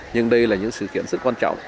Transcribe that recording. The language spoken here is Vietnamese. nhưng đây là những sự kiện rất quan trọng